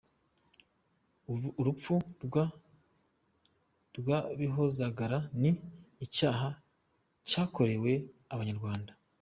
Urupfu rwa Bihozagara ni icyaha cyakorewe Abanyarwanda.